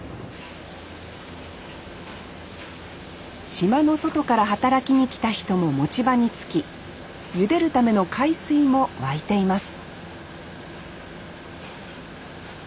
島の外から働きに来た人も持ち場につきゆでるための海水も沸いています